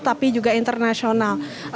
tapi juga internasional